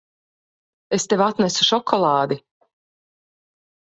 Es tev atnesu šokolādi.